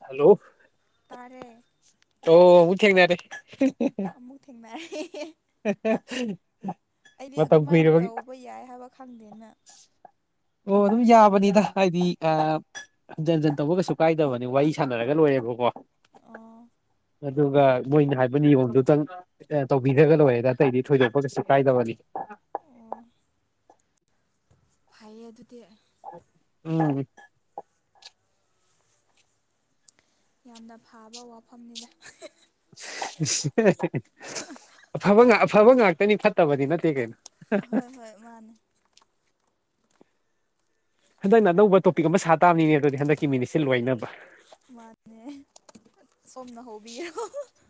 Hello ꯇꯥꯔꯦ ꯑꯣ ꯑꯃꯨꯛ ꯊꯦꯡꯅꯔꯦ ꯑꯃꯨꯛ ꯊꯦꯡꯅꯔꯦ [unintelligible] ꯑꯩꯗꯤ ꯃꯇꯝ ꯑꯗꯨꯃꯥꯏꯅ ꯀꯨꯏꯔꯕꯒꯤ ꯇꯧꯕ ꯌꯥꯏ ꯍꯥꯏꯕ ꯈꯪꯗꯦꯅ ꯑꯣ ꯑꯗꯨꯝ ꯌꯥꯕꯅꯤꯗ ꯍꯥꯏꯗꯤ ꯑ ꯍꯟꯖꯟ ꯍꯟꯖꯟ ꯇꯧꯕ ꯀꯩꯁꯨ ꯀꯥꯏꯗꯕꯅꯤ ꯋꯥꯔꯤ ꯁꯥꯟꯅꯔꯒ ꯂꯣꯏꯔꯦꯕꯀꯣ ꯑꯣ ꯑꯗꯨꯒ ꯃꯣꯏꯅ ꯍꯥꯏꯕ ꯅꯤꯌꯣꯝꯗꯨꯇꯪ ꯇꯧꯕꯤ ꯇꯧꯕꯤꯔꯒꯥ ꯂꯣꯏꯔꯦꯗꯥ ꯑꯇꯩꯗꯤ ꯊꯣꯏꯗꯣꯛꯄ ꯀꯩꯁꯨ ꯀꯥꯏꯗꯕꯅꯤ ꯑꯣ ꯐꯩꯌꯦ ꯑꯗꯨꯗꯤ ꯎꯝ ꯌꯥꯝꯅ ꯐꯥꯕ ꯋꯥꯐꯝꯅꯤꯅ ꯑꯐꯕ ꯑꯐꯕ ꯉꯥꯛꯇꯅꯤ ꯐꯠꯇꯕꯗꯤ ꯅꯠꯇꯦ ꯀꯩꯅꯣ ꯍꯣꯏ ꯍꯣꯏ ꯃꯥꯅꯦ ꯍꯟꯗꯛꯅ ꯑꯅꯧꯕ ꯇꯣꯄꯤꯛ ꯑꯃ ꯁꯥ ꯇꯥꯕ ꯅꯤꯅꯦ ꯑꯗꯨꯗꯤ ꯍꯟꯗꯛꯀꯤ ꯃꯤꯅꯤꯠꯁꯦ ꯂꯣꯏꯅꯕ ꯃꯟꯅꯦ [unintelligible] ꯁꯣꯝꯅ ꯍꯧꯕꯤꯔꯣ [unintelligible]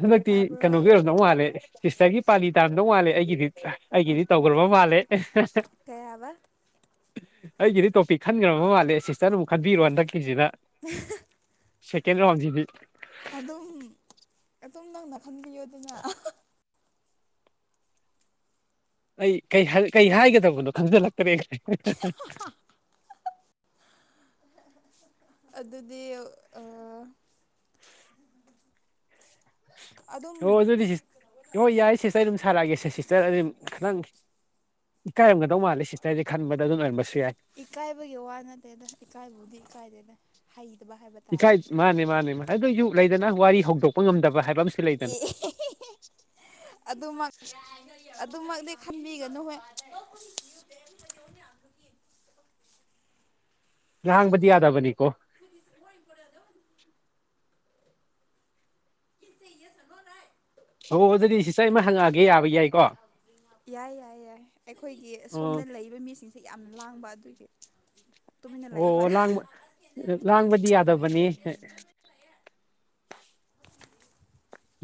ꯍꯟꯗꯛꯇꯤ ꯇꯥꯕ꯭ꯔꯣ ꯀꯩꯅꯣꯒꯤ ꯑꯣꯏꯔꯝꯗꯧ ꯃꯥꯜꯂꯦ ꯁꯤꯁꯇꯔꯒꯤ ꯄꯥꯂꯤ ꯇꯥꯔꯝꯗꯧ ꯃꯥꯜꯂꯦ ꯑꯩꯒꯤꯗꯤ ꯑꯩꯒꯤꯗꯤ ꯇꯧꯈ꯭ꯔꯕ ꯃꯥꯜꯂꯦ ꯑꯦ ꯍꯦꯍꯦ ꯀꯩ ꯍꯥꯏꯕꯥ? ꯑꯩꯒꯤꯗꯤ ꯇꯣꯄꯤꯛ ꯈꯟꯈ꯭ꯔꯕ ꯃꯥꯜꯂꯦ ꯁꯤꯁꯇꯔꯅ ꯑꯃꯨꯛ ꯈꯟꯕꯤꯔꯣ ꯍꯟꯗꯛꯀꯤꯁꯤꯅ [unintelligible] ꯁꯦꯀꯦꯟ ꯔꯥꯎꯁꯤꯗꯤ ꯑꯗꯨꯝ ꯑꯗꯨꯝ ꯅꯪꯅ ꯈꯟꯕꯤꯌꯣꯗꯅ ꯑꯥꯍꯥ ꯑꯩ ꯀꯩꯍꯥꯏ ꯀꯩ ꯍꯥꯏꯒꯗꯕꯅꯣ ꯈꯪꯖꯤꯜꯂꯛꯇ꯭ꯔꯦ [unintelligible] ꯑꯗꯨꯗꯤ ꯑꯧꯑꯥ ꯑꯗꯨꯝ ꯑꯣ ꯑꯗꯨꯗꯤ ꯁꯤꯁ ꯍꯣꯏ ꯌꯥꯏ ꯁꯤꯁꯇꯔ ꯑꯩꯗꯨꯝ ꯁꯥꯔꯛꯑꯒꯦꯁꯦ ꯁꯤꯁꯇꯔ ꯑꯗꯨꯝ ꯈꯥꯇꯪ ꯏꯀꯥꯏꯔꯝꯒꯗꯧ ꯃꯥꯜꯂꯦ ꯁꯤꯁꯇꯔꯁꯦ ꯈꯟꯕꯗ ꯑꯗꯨꯝ ꯑꯣꯏꯔꯝꯕꯁꯨ ꯌꯥꯏ ꯏꯀꯥꯏꯕꯒꯤ ꯋꯥ ꯅꯠꯇꯦꯗ ꯏꯀꯥꯏꯕꯨꯗꯤ ꯏꯀꯥꯏꯗꯦꯗ ꯍꯩꯇꯕ ꯍꯥꯏꯕꯠ ꯏꯀꯥꯏ ꯃꯟꯅꯦ ꯃꯟꯅꯦ ꯃꯥ ꯑꯗꯨꯏꯁꯨ ꯂꯩꯗꯅ ꯋꯥꯔꯤ ꯍꯧꯗꯣꯛꯄ ꯉꯝꯗꯕ ꯍꯥꯏꯕ ꯑꯝꯁꯨ ꯑꯦ ꯑꯦ ꯍꯦ ꯍꯦ ꯍꯦ ꯑꯗꯨꯃꯛ ꯌꯥꯏ ꯅꯣꯏ [unintelligible] ꯑꯗꯨꯃꯛꯗꯤ ꯈꯟꯕꯤꯒꯅꯨ ꯍꯦ ꯑꯁ [unintelligible] ꯂꯥꯡꯕꯗꯤ ꯌꯥꯗꯕꯅꯤꯀꯣ ꯐꯧꯗ is more important day one ꯀꯤꯟ say yes oh no ꯔꯏꯠ ꯍꯣ ꯑꯗꯨꯗꯤ ꯁꯤꯁꯇꯔ ꯑꯩꯃꯥ ꯍꯪꯉꯛꯑꯒꯦ ꯌꯥ [unintelligible] ꯑꯏꯜ ꯕ꯭ꯔꯤꯡ ꯑꯞ ꯌꯥꯏ ꯌꯥꯏ ꯌꯥꯏ ꯑꯩꯈꯣꯏꯒꯤ ꯑꯣ ꯑꯁꯣꯝꯗ ꯂꯩꯕ ꯃꯤꯁꯤꯡ ꯁꯤ ꯌꯥꯝꯅ ꯂꯥꯡꯕ ꯑꯗꯨꯒꯤ ꯇꯨꯃꯤꯟꯅ ꯂꯥꯏꯌꯣ ꯑꯣ ꯍꯣꯏꯌꯣ ꯂꯥꯡꯕ ꯂꯥꯡꯕꯗꯤ ꯌꯥꯗꯕꯅꯤ [unintelligible]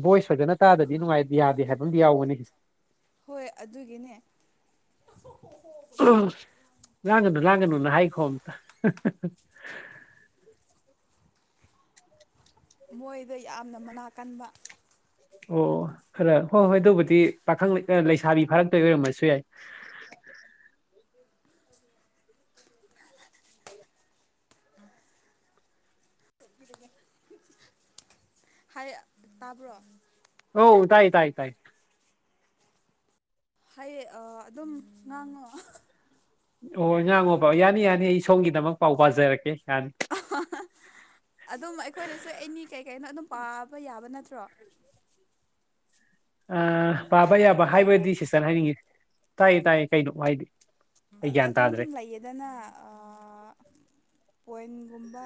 ꯚꯣꯏꯁ ꯐꯖꯅ ꯇꯥꯗꯗꯤ ꯅꯨꯡꯉꯥꯏ ꯌꯥꯗꯦ ꯍꯥꯏꯕ ꯑꯝꯗꯤ ꯌꯥꯎꯕꯅꯤ ꯍꯣꯏ ꯑꯗꯨꯒꯤꯅꯦ [unintelligible] [unintelligible] ꯂꯥꯡꯒꯅꯨ ꯂꯥꯡꯒꯅꯨꯅ ꯍꯥꯏꯈꯣ ꯑꯝꯇ [unintelligible] ꯃꯣꯏꯗꯣ ꯌꯥꯝꯅ ꯃꯅꯥ ꯀꯟꯕ ꯑꯣ ꯈꯔ ꯍꯣꯏ ꯍꯣꯏ ꯑꯗꯨꯕꯨꯗꯤ ꯄꯥꯈꯪ ꯂꯩ ꯑꯥ ꯂꯩꯁꯥꯕꯤ ꯐꯥꯔꯛꯇꯣꯏ ꯑꯣꯏꯔꯝꯃꯁꯨ ꯌꯥꯏ ꯍꯥꯏꯌꯥ ꯇꯕ꯭ꯔꯣ? ꯑꯧ ꯇꯥꯏ ꯇꯥꯏ ꯇꯥꯏ ꯍꯩꯌꯦ ꯑꯥ ꯑꯗꯨꯝ ꯉꯥꯡꯉꯣ [unintelligible] ꯑꯣ ꯉꯥꯡꯉꯣꯕ ꯌꯥꯅꯤ ꯌꯥꯅꯤ ꯑꯩ ꯁꯣꯝꯒꯤꯗꯃꯛ ꯄꯥꯎ ꯄꯖꯥꯔꯛꯀꯦ ꯌꯥꯅꯤ ꯑꯗꯨꯝ ꯑꯩꯈꯣꯏꯅꯁꯨ ꯑꯦꯅꯤ ꯀꯩ ꯀꯩꯅꯣ ꯑꯗꯨꯝ ꯄꯥꯕ ꯌꯥꯕ ꯅꯠꯇ꯭ꯔꯣ? ꯑꯥ ꯄꯥꯕ ꯌꯥꯕ ꯇꯥꯕ꯭ꯔꯥ ꯍꯥꯏꯕꯗꯤ ꯁꯤꯁꯇꯔꯅ ꯍꯥꯏꯅꯤꯡꯉꯤ ꯇꯥꯏꯌꯦ ꯇꯥꯏꯌꯦ ꯀꯩꯅꯣ ꯍꯥꯏꯗꯤ ꯑꯥ ꯑꯩ ꯑꯥ ꯒ꯭ꯌꯥꯟ ꯑꯗꯨꯝ ꯇꯥꯗ꯭ꯔꯦ ꯂꯩꯌꯦꯗꯅ ꯑꯥ ꯄꯣꯏꯝ ꯒꯨꯝꯕ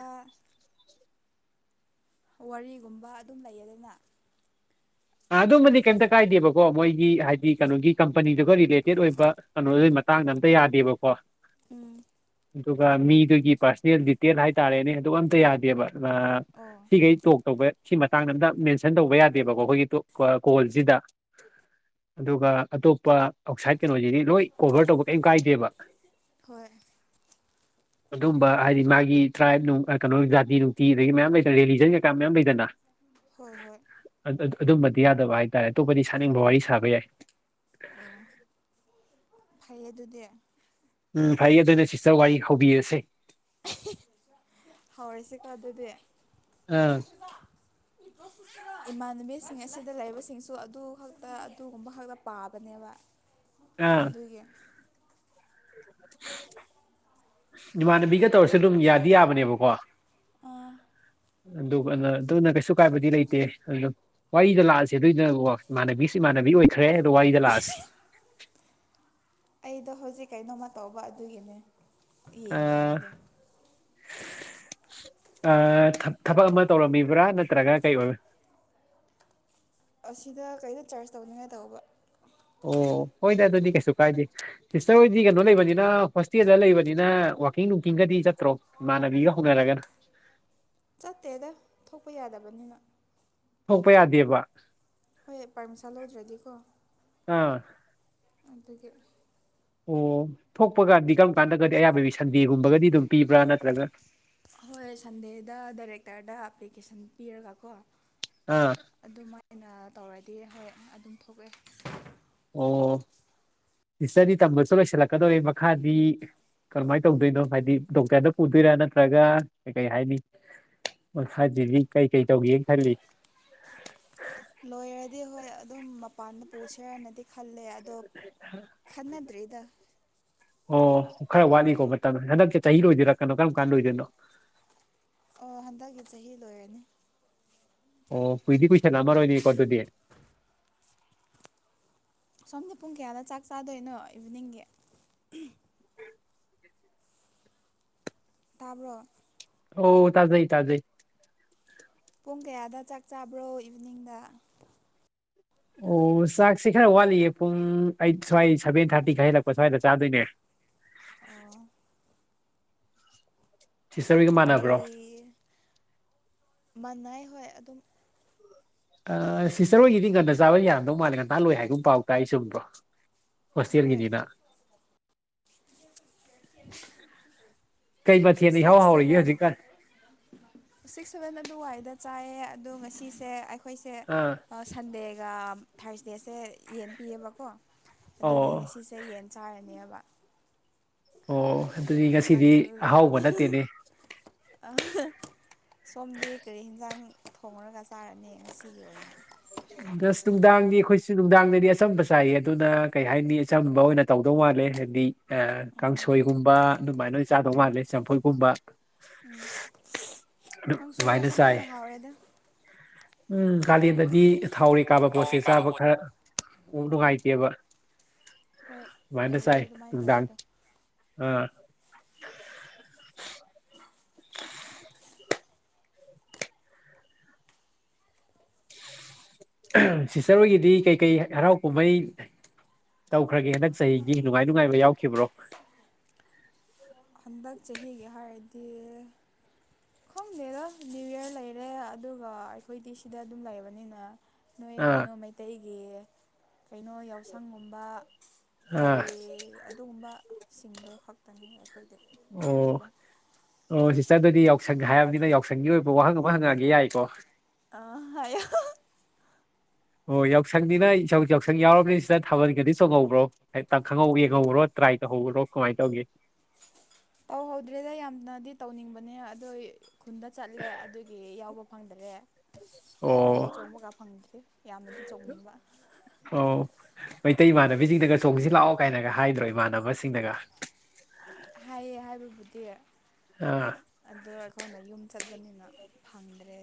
ꯋꯥꯔꯤꯒꯨꯝꯕ ꯑꯗꯨꯝ ꯂꯩꯌꯦꯗꯅ ꯑꯥ ꯑꯗꯨꯝꯃꯗꯤ ꯀꯦꯝꯇ ꯀꯥꯏꯗꯦꯕꯀꯣ ꯃꯣꯏꯒꯤ ꯍꯥꯏꯗꯤ ꯀꯩꯅꯣꯒꯤ ꯀꯝꯄꯅꯤꯗꯨꯒ ꯔꯤꯂꯦꯇꯦꯠ ꯑꯣꯏꯕ ꯀꯩꯅꯣꯗꯨꯏ ꯃꯇꯥꯡꯗ ꯑꯝꯇ ꯌꯥꯗꯦꯕꯀꯣ ꯎꯝ ꯑꯗꯨꯒ ꯃꯤꯗꯨꯒꯤ ꯄꯥꯔꯁ꯭ꯅꯦꯜ ꯗꯤꯇꯦꯜ ꯍꯥꯏꯇꯥꯔꯦꯅꯦ ꯑꯗꯨ ꯑꯝꯇ ꯌꯥꯗꯦꯕ ꯑꯥ ꯑꯣ ꯁꯤꯈꯩ ꯇꯣꯛ ꯇꯧꯕ ꯁꯤ ꯃꯇꯥꯡꯗ ꯑꯝꯇ ꯃꯦꯟꯁꯟ ꯇꯧꯕ ꯌꯥꯗꯦꯕꯀꯣ ꯑꯩꯈꯣꯏꯒꯤ ꯇꯣꯛ ꯑꯥ ꯀꯣꯜꯁꯤꯗ ꯑꯗꯨꯒ ꯑꯇꯣꯞꯄ ꯑꯥꯎꯠꯁꯥꯏꯠ ꯀꯩꯅꯣꯁꯤꯗꯤ ꯂꯣꯏ ꯀꯣꯚꯔ ꯇꯧꯕ ꯀꯩꯏꯝ ꯀꯥꯏꯗꯦꯕ ꯍꯣꯏ ꯑꯗꯨꯝꯕ ꯍꯥꯏꯗꯤ ꯃꯥꯒꯤ ꯇ꯭ꯔꯥꯏꯕ ꯅꯨꯡ ꯀꯩꯅꯣ ꯖꯥꯇꯤ ꯅꯨꯡꯇꯤ ꯑꯗꯒꯤ ꯃꯌꯥꯝ ꯂꯩꯗꯅ ꯔꯤꯂꯤꯖꯟ ꯀꯩꯀꯥ ꯃꯌꯥꯝ ꯂꯩꯗꯅ ꯍꯣꯏ ꯍꯣꯏ ꯑꯗꯨꯝꯕꯗꯤ ꯌꯥꯗꯕ ꯍꯥꯏꯇꯥꯔꯦ ꯑꯇꯣꯞꯄꯗꯤ ꯁꯥꯅꯤꯡꯕ ꯋꯥꯔꯤ ꯁꯥꯕ ꯌꯥꯏ ꯑꯣ ꯐꯩꯌꯦ ꯑꯗꯨꯗꯤ ꯎꯝ ꯐꯩꯌꯦ ꯑꯗꯨꯅ ꯁꯤꯁꯇꯔ ꯋꯥꯔꯤ ꯍꯧꯕꯤꯔꯁꯦ ꯍꯧꯔꯁꯦꯀꯣ ꯑꯗꯨꯗꯤ ꯑꯥ ꯏꯃꯥꯟꯅꯕꯤꯁꯤꯡ ꯑꯁꯤꯗ ꯂꯩꯕꯁꯤꯡꯁꯨ ꯑꯗꯨ ꯈꯛꯇ ꯑꯗꯨꯒꯨꯝꯕ ꯈꯛꯇ ꯄꯥꯕꯅꯦꯕ ꯑꯥ ꯑꯗꯨꯒꯤ [inaudible] ꯏꯃꯥꯟꯅꯕꯤꯒ ꯇꯧꯔꯁꯨꯦ ꯑꯗꯨꯝ ꯌꯥꯗꯤ ꯌꯥꯕꯅꯦꯕꯀꯣ [inaudible] ꯑꯗꯨꯒ ꯑꯗꯨꯅ ꯀꯩꯁꯨ ꯀꯥꯏꯕꯗꯤ ꯂꯩꯇꯦ ꯑꯗꯨ ꯋꯥꯔꯤꯗ ꯂꯥꯛꯑꯁꯤ ꯑꯗꯨꯏꯗꯨꯅ ꯏꯃꯥꯟꯅꯕꯤꯁꯨ ꯏꯃꯥꯟꯅꯕꯤ ꯑꯣꯏꯈ꯭ꯔꯦ ꯑꯗꯣ ꯋꯥꯔꯤꯗ ꯂꯥꯛꯑꯁꯤ ꯑꯩꯗꯣ ꯍꯧꯖꯤꯛ ꯀꯩꯅꯣꯝꯃ ꯇꯧꯕ ꯑꯗꯨꯒꯤꯅꯦ ꯌꯦꯡꯅꯤꯡꯉꯥꯏꯗꯣ ꯊꯕꯛ ꯑꯃ ꯇꯧꯔꯝꯃꯤꯕ꯭ꯔꯥ ꯅꯠꯇ꯭ꯔꯒꯅ ꯀꯩ ꯑꯣꯏ ꯑꯁꯤꯗ ꯀꯩꯗ ꯆꯥꯔꯖ ꯇꯧꯅꯤꯡꯉꯥꯏ ꯇꯧꯕ ꯑꯣ ꯍꯣꯏꯗ ꯑꯗꯨꯗꯤ ꯀꯩꯁꯨ ꯀꯥꯏꯗꯦ ꯁꯤꯁꯇꯔ ꯍꯣꯏꯗꯤ ꯀꯩꯅꯣ ꯂꯩꯕꯅꯤꯅ ꯍꯣꯁꯇꯦꯜꯗ ꯂꯩꯕꯅꯤꯅ ꯋꯥꯛꯀꯤꯡ ꯅꯨꯡꯀꯤꯡꯒꯗꯤ ꯆꯠꯇ꯭ꯔꯣ ꯏꯃꯥꯟꯅꯕꯤꯒ ꯍꯅꯔꯒꯅ ꯆꯠꯇꯦꯗ ꯊꯣꯛꯄ ꯌꯥꯗꯕꯅꯤꯅ ꯊꯣꯛꯄ ꯌꯥꯗꯦꯕ ꯍꯣꯏ ꯄꯥꯔꯃꯤꯁꯟ ꯂꯧꯗ꯭ꯔꯗꯤꯀꯣ ꯑꯥ ꯑꯗꯨꯒꯤ ꯑꯣ ꯊꯣꯛꯄ ꯀꯥꯟꯗꯤ ꯀꯔꯝ ꯀꯥꯟꯗꯒꯗꯤ ꯑꯌꯥꯝꯕꯒꯤ ꯁꯟꯗꯦꯒꯨꯝꯕꯒꯗꯤ ꯑꯗꯨꯝ ꯄꯤꯕ꯭ꯔꯥ ꯅꯠꯇ꯭ꯔꯒ ꯍꯣꯏ ꯁꯟꯗꯦꯗ ꯗꯥꯏꯔꯦꯛꯇꯔꯗ ꯑꯦꯄ꯭ꯂꯤꯀꯦꯁꯟ ꯄꯤꯔꯒꯀꯣ ꯑꯥ ꯑꯗꯨꯃꯥꯏꯅ ꯇꯧꯔꯗꯤ ꯍꯣꯏ ꯑꯗꯨꯝ ꯊꯣꯛꯑꯦ ꯑꯣ ꯁꯤꯁꯇꯔꯗꯤ ꯇꯝꯕꯁꯨ ꯂꯣꯏꯁꯤꯜꯂꯛꯀꯗꯧꯔꯦ ꯃꯈꯥꯗꯤ ꯀꯔꯝꯃꯥꯏꯅ ꯇꯧꯗꯣꯏꯅꯣ ꯍꯥꯏꯗꯤ ꯗꯣꯛꯇꯔꯗ ꯄꯨꯗꯣꯏꯔꯥ ꯅꯠꯇ꯭ꯔꯒ ꯀꯩ ꯀꯩ ꯍꯥꯏꯅꯤ ꯃꯈꯥ ꯗꯤꯒ꯭ꯔꯤ ꯀꯩꯀꯩ ꯇꯧꯒꯦꯅ ꯈꯜꯂꯤ ꯂꯣꯏꯔꯗꯤ ꯍꯣꯏ ꯑꯗꯨꯝ ꯃꯄꯥꯟꯗ ꯄꯨꯁꯦꯅꯗꯤ ꯈꯜꯂꯦ ꯑꯗꯣ ꯈꯟꯅꯗ꯭ꯔꯔꯤꯗ ꯑꯣ ꯈꯔ ꯋꯥꯠꯂꯤꯀꯣ ꯃꯇꯝ ꯍꯟꯗꯛꯁꯤ ꯆꯍꯤ ꯂꯣꯏꯗꫭꯏꯔ ꯀꯅꯣ ꯀꯔꯝ ꯀꯥꯟ ꯂꫭꯏꯗꯣꯏꯅꯣ ꯑꯣ ꯍꯟꯗꯛꯀꯤ ꯆꯍꯤ ꯂꯣꯏꯔꯅꯤ ꯑꯣ ꯀꯨꯏꯗꯤ ꯀꯨꯏꯁꯟ ꯂꯛꯑꯝꯃꯔꫭꯏꯅꯦꯀꫭ ꯑꯗꯨꯗꯤ ꯁꯣꯝꯗꯤ ꯄꯨꯡ ꯀꯌꯥꯗ ꯆꯥꯛ ꯆꯥꯗꯣꯏꯅꯣ ꯏꯚꯤꯅꯤꯡꯒꯤ ꯇꯥꯕ꯭ꯔꯣ ꯑꯣ ꯇꯥꯖꯩ ꯇꯥꯖꯩ ꯄꯨꯡ ꯀꯌꯥꯗ ꯆꯥꯛ ꯆꯥꯕ꯭ꯔꯣ ꯏꯚꯤꯅꯤꯡꯗ ꯑꯣ ꯆꯥꯛꯁꯤ ꯈꯔ ꯋꯥꯠꯂꯤꯌꯦ ꯄꯨꯡ ꯑꯩꯠ ꯁ꯭ꯋꯥꯏ ꯁꯚꯦꯟ ꯊꯥꯔꯇꯤ ꯈ ꯍꯜꯂꯛꯄ ꯁ꯭ꯋꯥꯏꯗ ꯆꯥꯗꯣꯏꯅꯦ ꯑꯣ ꯁꯤꯁꯇꯔꯒ ꯃꯥ ꯀꯔꯤ ꯃꯅꯥꯏ ꯍꯣꯏ ꯑꯗꯨꯝ ꯑꯥ ꯁꯤꯁꯇꯔ ꯍꯣꯏꯒꯤꯗꯤ ꯉꯟꯅ ꯆꯥꯕ ꯌꯥꯔꯝꯗꯧ ꯃꯥꯜꯂꯦ ꯉꯟꯇ ꯂꯣꯏ ꯍꯥꯏꯒꯨꯝ ꯄꯥꯎ ꯇꯥꯏ ꯆꯨꯝꯕ꯭ꯔꯣ ꯍꯣꯏ ꯍꯣꯁꯇꯦꯜꯒꯤꯅꯤꯅ ꯀꯩ ꯃꯊꯦꯜꯅ ꯏꯍꯥꯎ ꯁꯤꯛꯁ ꯍꯥꯎꯔꯤꯒꯦ ꯁꯚꯦꯟ ꯍꯧꯖꯤꯛꯀꯥꯟ ꯁꯤꯛꯁ ꯁꯚꯦꯟ ꯑꯗꯨꯋꯥꯏꯗ ꯆꯥꯏꯌꯦ ꯑꯗꯣ ꯉꯁꯤꯁꯦ ꯑꯩꯈꯣꯏꯁꯦ ꯑꯥ ꯁꯟꯗꯦꯒ ꯐꯥꯔꯁ ꯗꯦꯁꯦ ꯌꯦꯟ ꯄꯤꯌꯦꯕꯀꯣ ꯑꯣ ꯑꯗꯨꯒꯤ ꯉꯁꯤ ꯆꯌꯦꯟ ꯆꯥꯔꯅꯦꯕ ꯑꯣ ꯑꯗꯨꯗꯤ ꯉꯁꯤꯗꯤ ꯑꯍꯥꯎꯕ ꯅꯠꯇꯦꯅꯦ ꯑꯥ ꯁꯣꯝꯗꯤ ꯀꯔꯤ ꯌꯦꯟꯖꯥꯡ ꯊꯣꯡꯉꯨꯔꯒ ꯆꯥꯔꯅꯤ ꯉꯁꯤꯒꯤ ꯑꯣꯏꯅ ꯑꯁ ꯅꯨꯡꯗꯥꯡꯗꯤ ꯑꯩꯈꯣꯏꯁꯨ ꯅꯨꯡꯗꯥꯡꯗꯗꯤ ꯑꯆꯝꯕ ꯆꯥꯏꯌꯦ ꯑꯗꯨꯅ ꯀꯩ ꯍꯥꯏꯅꯤ ꯑꯆꯝꯕ ꯑꯣꯏꯅ ꯇꯧꯗꯧ ꯃꯥꯜꯂꯦ ꯍꯥꯏꯕꯗꯤ ꯑꯥ ꯀꯥꯡꯁꯣꯏꯒꯨꯝꯕ ꯑꯗꯨꯃꯥꯏꯅ ꯆꯥꯗꯧ ꯃꯥꯜꯂꯦ ꯆꯝꯐꯨꯠ ꯀꯨꯝꯕ ꯎꯝ ꯀꯥꯡꯁꯣꯏꯒ ꯑꯗꯨꯃꯥꯏꯅ ꯆꯝꯐꯨꯠ ꯆꯥꯏ ꯀꯥꯅ ꯍꯥꯎꯔꯦꯗ ꯎꯝ ꯀꯥꯂꯦꯟꯗꯗꯤ ꯊꯥꯎꯔꯦꯛ ꯀꯥꯕ ꯊꯥꯎ ꯄꯣꯠꯁꯦ ꯀꯥꯕ ꯆꯥꯕ ꯄꯣꯠ ꯈꯔ ꯎꯝ ꯑꯥ ꯅꯨꯡꯉꯥꯏꯇꯦꯕ ꯍꯣꯏ ꯑꯗꯨꯃꯥꯏꯅ ꯐꯩꯔꯦ ꯆꯥꯏ ꯑꯗꯨꯃꯥꯏꯅ ꯅꯨꯡꯗꯥꯡ ꯇꯧꯕꯗꯣ ꯑꯥ [inaudible] ꯑꯍꯥ ꯁꯤꯁꯇꯔ ꯍꯣꯏꯒꯤꯗꯤ ꯀꯩꯀꯩ ꯍꯔꯥꯎ ꯀꯨꯝꯍꯩ ꯇꯧꯈ꯭ꯔꯒꯦ ꯍꯟꯗꯛ ꯆꯍꯤꯒꯤ ꯅꯨꯡꯉꯥꯏ ꯅꯨꯡꯉꯥꯏꯕ ꯌꯥꯎꯈꯤꯕ꯭ꯔꯣ ꯍꯟꯗꯛ ꯆꯍꯤꯒꯤ ꯍꯥꯏꯔꯗꯤ ꯈꯪꯗꯦꯗ ꯅꯤꯌꯨ ꯏꯌꯔ ꯂꯩꯔꯦ ꯑꯗꯨꯒ ꯑꯩꯈꯣꯏꯗꯤ ꯁꯤꯗ ꯑꯗꯨꯝ ꯂꯩꯕꯅꯤꯅ ꯅꯣꯏ ꯑꯥ ꯀꯩꯅꯣ ꯃꯩꯇꯩꯒꯤ ꯀꯩꯅꯣ ꯌꯥꯎꯁꯪꯒꯨꯝꯕ ꯑꯥ ꯆꯩ ꯑꯗꯨꯒꯨꯝꯕ ꯁꯤꯡꯗꯣ ꯈꯛꯇꯅꯤ ꯑꯩꯈꯣꯏꯗꯗꯤ ꯑꯣ ꯌꯥꯎꯗꯦꯗ ꯑꯣ ꯁꯤꯁꯇꯔ ꯑꯗꯨꯗꯤ ꯌꯥꯎꯁꯪ ꯍꯥꯏꯔꯕꯅꯤꯅ ꯌꯥꯎꯁꯪꯒꯤ ꯑꯣꯏꯕ ꯋꯥꯍꯪ ꯑꯃ ꯍꯪꯉꯛꯑꯒꯦ ꯌꯥꯏꯀꯣ ꯑꯥ ꯍꯥꯏꯌꯣ ꯑꯣ ꯌꯥꯎꯁꯪꯅꯤꯅ ꯌꯥꯎꯁꯪ ꯌꯥꯎꯔꯕꯅꯤ ꯁꯤꯗ ꯊꯥꯕꯜꯒꯗꯤ ꯆꯣꯡꯍꯧꯕ꯭ꯔꯣ ꯍꯦꯛꯇ ꯈꯪꯍꯧ ꯌꯦꯡ ꯈꯪꯍꯧꯕꯔꯣ ꯇ꯭ꯔꯥꯏ ꯇꯧꯍꯧꯕꯔꯣ ꯀꯃꯥꯏꯅ ꯇꯧꯒꯦ ꯇꯧꯍꯧꯗ꯭ꯔꯦꯗ ꯌꯥꯝꯅꯗꯤ ꯇꯧꯅꯤꯡꯕꯅꯦ ꯑꯗꯨ ꯈꯨꯟꯗ ꯆꯠꯂꯦ ꯑꯗꯨꯒꯤ ꯌꯥꯎꯕ ꯐꯪꯗꯔꯦ ꯑꯣ ꯊꯥꯕꯜ ꯆꯣꯡꯕꯒ ꯐꯪꯗ꯭ꯔꯤ ꯌꯥꯝꯅꯗꯤ ꯆꯣꯡꯅꯤꯡꯕ ꯑꯣ ꯃꯩꯇꯩ ꯏꯃꯥꯟꯅꯕꯤꯁꯤꯡꯅꯒ ꯆꯣꯡꯁꯤ ꯂꯥꯛꯑꯣ ꯀꯥꯏꯅꯒ ꯍꯥꯏꯗ꯭ꯔꯣ ꯏꯃꯥꯟꯅꯕꯁꯤꯡꯅꯒ ꯍꯥꯏꯌꯦ ꯍꯥꯏꯕꯕꯨꯗꯤ ꯑꯥ ꯑꯗꯣ ꯑꯩꯈꯣꯏꯅ ꯌꯨꯝ ꯆꯠꯄꯅꯤꯅ ꯐꯪꯗ꯭ꯔꯦ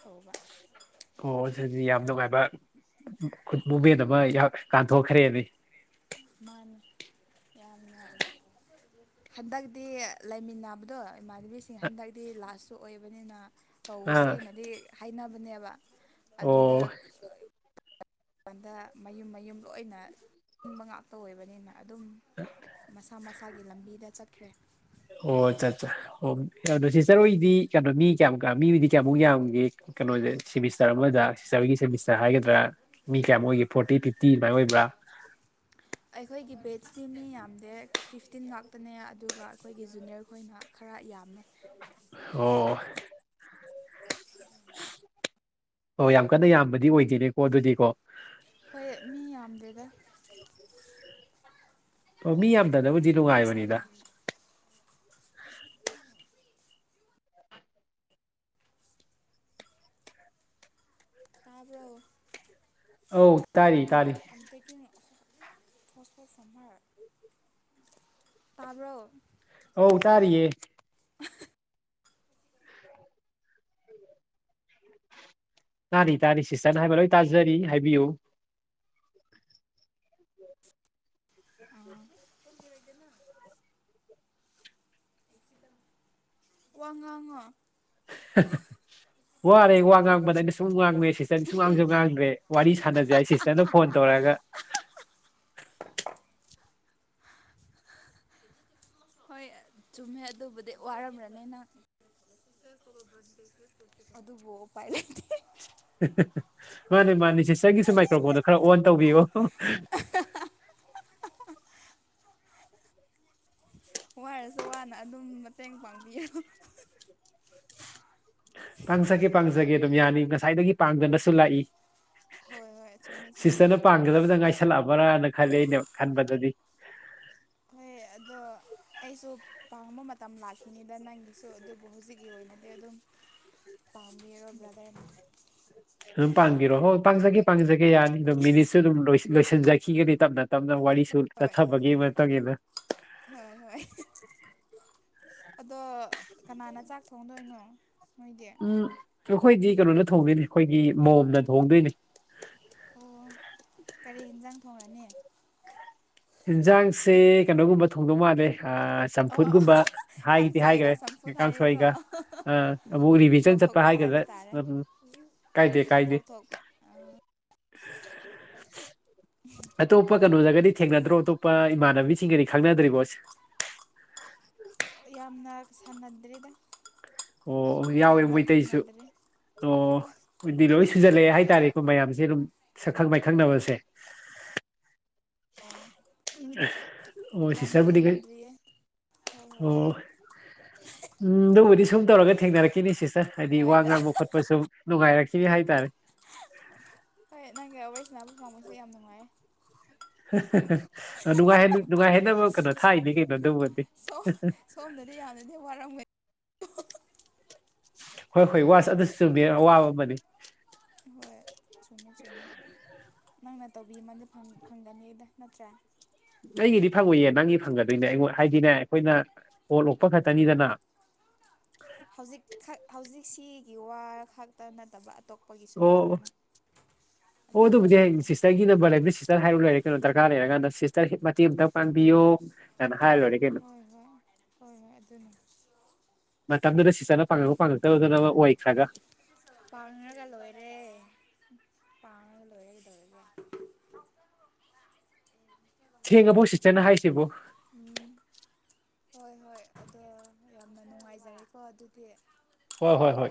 ꯀꯧꯕ ꯑꯣ ꯑꯗꯨꯗꯤ ꯌꯥꯝ ꯅꯨꯡꯉꯥꯏꯕ ꯃꯣꯃꯦꯟ ꯑꯃ ꯌꯥ ꯀꯥꯟꯊꯣꯛꯈ꯭ꯔꯦꯅꯦ ꯃꯥꯅꯤ ꯌꯥꯝꯅ ꯍꯟꯗꯛꯇꯤ ꯂꯩꯃꯤꯟꯅꯕꯗꯣ ꯏꯃꯥꯟꯅꯕꯤꯁꯤꯡ ꯍꯟꯗꯛꯇꯤ ꯂꯥꯁꯁꯨ ꯑꯣꯏꯕꯅꯤꯅ ꯑꯥ ꯇꯧꯁꯦꯅꯗꯤ ꯍꯥꯏꯅꯕꯅꯦꯕ ꯑꯗꯨꯗ ꯑꯣ ꯀꯟꯗ ꯃꯌꯨꯝ ꯃꯌꯨꯝ ꯂꯣꯏꯅ ꯀꯨꯝꯕ ꯉꯥꯛꯇ ꯑꯣꯏꯕꯅꯤꯅ ꯑꯗꯨꯝ [unintelligible] ꯃꯁꯥ ꯃꯁꯥꯒꯤ ꯂꯝꯕꯤꯗ ꯆꯠꯈ꯭ꯔꯦ ꯑꯣ ꯑꯠꯆꯥ ꯑꯠꯆꯥ ꯑꯣ ꯑꯗꯣ ꯁꯤꯁꯇꯔ ꯍꯣꯏꯗꯤ ꯀꯩꯅꯣ ꯃꯤ ꯀꯌꯥꯃꯨꯛꯀ ꯃꯤꯕꯨꯗꯤ ꯀꯌꯥꯃꯨꯛ ꯌꯥꯝꯒꯦ ꯀꯩꯅꯣꯁꯦ ꯁꯦꯃꯤꯁꯇꯔ ꯑꯃꯗ ꯁꯤꯁꯇꯔ ꯍꯣꯏꯒꯤ ꯁꯦꯃꯤꯁꯇꯔ ꯍꯥꯏꯒꯗ꯭ꯔꯥ ꯃꯤ ꯀꯌꯥꯝꯃꯨꯛ ꯑꯣꯏꯒꯦ ꯐꯣꯔꯇꯤ ꯐꯤꯐꯇꯤ ꯑꯗꯨꯃꯥꯏꯅ ꯑꯣꯏꯕ꯭ꯔꯥ ꯑꯩꯈꯣꯏꯒꯤ ꯕꯦꯠꯁꯇꯤ ꯃꯤ ꯌꯥꯝꯗꯦ ꯐꯤꯐꯇꯤꯟ ꯉꯥꯛꯇꯅꯦ ꯑꯗꯨꯒ ꯑꯩꯈꯣꯏꯒꯤ ꯖꯨꯅꯤꯌꯔ ꯈꯣꯏꯅ ꯈꯔ ꯌꯥꯝꯃꯦ ꯑꯣ ꯑꯣ ꯑꯣ ꯌꯥꯝ ꯀꯟꯅ ꯌꯥꯝꯕꯗꯤ ꯑꯣꯏꯗꯦꯅꯦꯀꯣ ꯑꯗꯨꯗꯤꯀꯣ ꯍꯣꯏ ꯃꯤ ꯌꯥꯝꯗꯦꯗ ꯑꯣ ꯃꯤ ꯌꯥꯝꯗꯅꯕꯨꯗꯤ ꯋꯦꯔ ꯏꯁ ꯅꯨꯡꯉꯥꯏꯕꯅꯤꯗ ꯑꯥꯔꯤꯌꯥ ꯇꯥꯕꯔꯣ ꯑꯧ ꯇꯥꯔꯤ ꯇꯥꯔꯤ [unintelligible] ꯍꯣꯁꯄꯣꯁ ꯁꯃꯔ ꯇꯥꯕꯔꯣ ꯑꯧ ꯇꯥꯔꯤꯌꯦ ꯇꯥꯔꯤ ꯇꯥꯔꯤ ꯁꯤꯁꯇꯔꯅ ꯍꯥꯏꯕ ꯂꯣꯏ ꯇꯥꯖꯔꯤ ꯍꯥꯏꯕꯤꯌꯨ ꯋꯥ ꯉꯥꯡꯉꯣ ꯋꯥꯔꯦ ꯋꯥ ꯉꯥꯡꯕꯗ ꯑꯩꯅ ꯁꯨꯝ ꯉꯥꯡꯕꯁꯦ ꯁꯤꯁꯇꯔ ꯁꯨꯡ ꯉꯥꯡꯁꯨ ꯉꯥꯡꯗ꯭ꯔꯦ ꯋꯥꯔꯤ ꯁꯥꯟꯅꯖꯦ ꯑꯩ ꯁꯤꯁꯇꯔꯅ ꯐꯣꯟ ꯇꯧꯔꯑꯒ ꯍꯣꯏ ꯆꯨꯝꯃꯦ ꯑꯗꯨꯕꯨꯗꯤ ꯋꯥꯔꯝꯔꯅꯤ ꯅꯪ [unintelligible] ꯑꯗꯨꯕꯨ ꯎꯄꯥꯏ ꯂꯩꯇꯦ ꯃꯥꯅꯤ ꯃꯥꯅꯤ ꯁꯤꯁꯇꯔꯒꯤꯁꯨ ꯃꯥꯏꯀ꯭ꯔꯣꯐꯣꯟꯗꯣ ꯈꯔ ꯑꯣꯟ ꯇꯧꯕꯤꯌꯣ ꯋꯥꯔꯁꯨ ꯋꯥꯅ ꯑꯗꯨꯝ ꯃꯇꯦꯡ ꯄꯥꯡꯕꯤꯌꯔꯣ ꯄꯥꯡꯖꯒꯦ ꯄꯥꯡꯖꯒꯦ ꯑꯗꯨꯝ ꯌꯥꯅꯤ ꯉꯁꯥꯏꯗꯒꯤ ꯄꯥꯡꯗꯅꯁꯨ ꯂꯥꯛꯏ ꯍꯣꯏ ꯍꯣꯏ ꯆꯨꯝꯃꯦ ꯆꯨꯝꯃꯦ ꯁꯤꯁꯇꯔꯅ ꯄꯥꯝꯒꯗꯕꯗ ꯉꯥꯏꯁꯜꯂꯛꯑꯕ꯭ꯔꯥꯅ ꯈꯜꯂꯦ ꯑꯅ ꯈꯟꯕꯗꯗꯤ ꯍꯣꯏ ꯑꯗꯣ ꯑꯩꯁꯨ ꯄꯥꯡꯕ ꯃꯇꯝ ꯂꯥꯛꯈꯤꯅꯤꯗ ꯅꯪꯒꯤꯁꯨ ꯑꯗꯨꯕꯨ ꯍꯧꯖꯤꯛꯀꯤ ꯑꯣꯏꯅꯗꯤ ꯑꯗꯨꯝ ꯄꯥꯝꯃꯤꯔꯣ ꯕ꯭ꯔꯥꯗꯔꯅ ꯑꯗꯨꯝ ꯄꯥꯡꯕꯤꯔꯣ ꯍꯣꯏ ꯄꯥꯡꯖꯒꯦ ꯄꯥꯡꯖꯒꯦ ꯌꯥꯅꯤ ꯑꯗꯨꯝ ꯃꯤꯅꯤꯠꯁꯨ ꯑꯗꯨꯝ ꯂꯣꯏ ꯂꯣꯏꯁꯤꯟꯖꯈꯤꯒꯗꯤ ꯇꯞꯅ ꯇꯞꯅ ꯋꯥꯔꯤꯁꯨ ꯍꯣꯏ ꯆꯊꯥꯕꯒꯤꯕ ꯃꯇꯨꯡ ꯏꯟꯅ ꯍꯣꯏ ꯍꯣꯏ ꯑꯗꯣ ꯀꯅꯥꯅ ꯆꯥꯛ ꯊꯣꯡꯗꯣꯏꯅꯣ ꯅꯣꯏꯗꯤ ꯎꯝ ꯑꯩꯈꯣꯏꯗꯤ ꯀꯩꯅꯣꯅ ꯊꯣꯡꯗꯣꯏꯅꯤ ꯑꯩꯈꯣꯏꯒꯤ ꯃꯣꯝꯅ ꯊꯣꯡꯗꯣꯏꯅꯤ ꯑꯣ ꯀꯔꯤ ꯌꯦꯟꯖꯥꯡ ꯊꯣꯡꯉꯅꯤ ꯌꯦꯟꯁꯥꯡꯁꯦ ꯀꯩꯅꯣꯒꯨꯝꯕ ꯊꯣꯡꯗꯧ ꯃꯥꯥꯟꯂꯦ ꯑꯣ ꯆꯝꯐꯨꯠꯒꯨꯝꯕ ꯍꯥꯏꯗꯤ ꯀꯥꯡꯁꯣꯏꯒ ꯍꯥꯏꯒꯥꯔꯦ ꯆꯝꯐꯨꯠ ꯍꯥꯏꯌꯦꯀꯣ ꯀꯥꯡꯁꯣꯏꯒꯑꯥ ꯑꯃꯨꯛ ꯔꯤꯚꯤꯖꯟ ꯆꯠꯄ ꯀꯧꯊꯣꯛꯄ ꯍꯥꯏꯕ ꯍꯥꯏꯒꯗ꯭ꯔꯥ ꯇꯥꯔꯦ ꯎꯝ ꯀꯥꯏꯗꯦ ꯀꯥꯏꯗꯦ ꯀꯧꯊꯣꯛꯄ [inaudible] ꯑꯇꯣꯞꯄ ꯀꯩꯅꯣꯗꯒꯗꯤ ꯊꯦꯡꯅꯗ꯭ꯔꯣ ꯑꯇꯣꯞꯄ ꯏꯃꯥꯟꯅꯕꯤꯁꯤꯡꯒꯗꯤ ꯈꯪꯅꯗ꯭ꯔꯤꯕꯣ ꯌꯥꯝꯅ ꯁꯥꯟꯅꯗ꯭ꯔꯤꯗ ꯑꯣ ꯌꯥꯎꯑꯦ ꯌꯥꯝꯅ ꯃꯣꯏꯇꯩꯁꯨ ꯊꯦꯡꯅꯗ꯭ꯔꯤ ꯑꯣ ꯑꯩꯗꯤ ꯂꯣꯏ ꯁꯨꯖꯜꯂꯛꯑꯦ ꯍꯥꯏꯇꯥꯔꯦꯀꯣ ꯃꯌꯥꯝꯁꯦ ꯑꯗꯨꯝ ꯁꯛꯈꯪ ꯃꯥꯏꯈꯪꯅꯕꯁꯦ ꯑꯣ ꯑꯣ ꯌꯥꯝꯅ ꯁꯤꯁꯇꯔꯕꯨꯗꯤ ꯀꯩꯝ ꯊꯦꯡꯅꯗ꯭ꯔꯤꯌꯦ ꯍꯣꯏ ꯍꯣꯏ ꯑꯣ ꯍꯥꯏꯌꯣ ꯎꯝ ꯑꯗꯨꯕꯨꯗꯤ ꯁꯨꯝ ꯇꯧꯔꯒ ꯊꯦꯡꯅꯔꯛꯈꯤꯅꯤ ꯁꯤꯁꯇꯔ ꯍꯥꯏꯗꯤ ꯋꯥ ꯍꯣꯏꯗ ꯉꯥꯡꯕ ꯈꯣꯠ ꯄꯥ ꯁꯨꯝ ꯅꯨꯡꯉꯥꯏꯔꯛꯈꯤ ꯍꯥꯏꯇꯥꯔꯦ ꯍꯣꯏ ꯅꯪꯒꯤ ꯋꯔꯤ ꯁꯅꯥꯕ ꯐꯪꯕꯁꯦ ꯌꯥꯝ ꯅꯨꯡꯉꯥꯏꯌꯦ [unintelligible] ꯑꯥ ꯅꯨꯡꯉꯏꯍꯟ ꯅꯨꯡꯉ ꯅꯨꯡꯉꯥꯏꯍꯟꯅꯕ ꯀꯩꯅꯣ ꯊꯥꯛꯏꯅꯤ ꯀꯩꯅꯣ ꯗꯨꯕꯨꯗꯤ ꯁꯣꯝ ꯁꯣꯝꯗꯗꯤ ꯌꯥꯝꯅꯗꯤ ꯋꯥꯔꯝꯒꯩ ꯍꯣꯏ ꯍꯣꯏ ꯋꯥꯁ ꯑꯗꯨꯁꯨ ꯆꯨꯝꯃꯤ ꯑꯋꯥꯕ ꯑꯃꯅꯤ ꯍꯣꯏ ꯆꯨꯝꯃꯦ ꯆꯨꯝꯃꯦ ꯅꯪꯅ ꯇꯧꯕꯤꯃꯟꯗ ꯐꯪ ꯐꯪꯗꯝꯅꯤꯗ ꯅꯠꯇ꯭ꯔꯥ ꯑꯩꯒꯤꯗꯤ ꯐꯪꯉꯣꯏꯌꯦ ꯅꯪꯒꯤ ꯐꯪꯒꯗꯣꯏꯅꯦ ꯑꯩꯉꯣꯟ ꯍꯥꯏꯗꯤꯅꯦ ꯑꯩꯈꯣꯏꯅ ꯀꯣꯜ ꯑꯣꯛꯄ ꯈꯛꯇꯅꯤꯗꯅ ꯍꯧꯖꯤꯛꯈꯛ ꯍꯧꯖꯤꯛꯁꯤꯒꯤ ꯋꯥ ꯈꯛꯇ ꯅꯠꯇꯕ ꯑꯇꯣꯞ ꯈꯣꯏꯒꯤꯁꯨ ꯑꯣ ꯂꯩꯌꯦꯗꯅ ꯑꯗꯨ ꯍꯥꯏꯕꯅꯤꯗ ꯑꯩꯒꯤ ꯅꯝꯕꯔ ꯂꯩꯔꯕꯅꯤꯅ ꯁꯤꯁꯇꯔ ꯍꯥꯏꯔꯨ ꯂꯣꯏꯔꯦ ꯀꯩꯅꯣ ꯗꯔꯀꯥꯔ ꯂꯩꯔ ꯀꯥꯟꯗ ꯁꯤꯁꯇꯔ ꯍꯦꯛ ꯃꯇꯦꯡ ꯑꯃꯇ ꯄꯥꯟꯕꯤꯌꯣ ꯀꯅ ꯍꯥꯏꯔ ꯂꯣꯏꯔꯦ ꯀꯩꯅꯣ ꯍꯣꯏ ꯍꯣꯏ ꯍꯣꯏ ꯍꯣꯏ ꯑꯗꯨꯅꯦ ꯃꯇꯝꯗꯨꯗ ꯁꯤꯁꯇꯔꯅ ꯄꯥꯡꯉꯛꯄ ꯄꯥꯡꯉꯛꯇꯕꯗꯨꯅ ꯑꯃ ꯑꯣꯏꯈ꯭ꯔꯒ ꯄꯥꯡꯉꯒ ꯂꯣꯏꯔꯦ ꯄꯥꯡꯉꯒ ꯂꯣꯏꯔꯦ ꯀꯩꯗꯧꯔꯒꯦ ꯁꯦꯡꯉꯕꯣ ꯁꯤꯁꯇꯔꯅ ꯍꯥꯏꯁꯤꯕꯨ ꯎꯝ ꯍꯣꯏ ꯍꯣꯏ ꯑꯗꯣ ꯌꯥꯝꯅ ꯅꯨꯡꯉꯥꯏꯖꯔꯦꯀꯣ ꯑꯗꯨꯗꯤ ꯍꯣꯏ ꯍꯣꯏ ꯍꯣꯏ